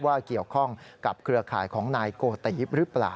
ว่าเกี่ยวข้องกับเครือข่ายของนายโกเตยิบหรือเปล่า